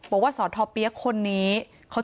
พ่อของสทเปี๊ยกบอกว่า